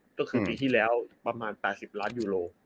ก็คือปีที่แล้วประมาณ๘๐ล้านยูโร